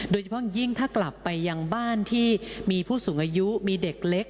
โดยเฉพาะยิ่งถ้ากลับไปยังบ้านที่มีผู้สูงอายุมีเด็กเล็ก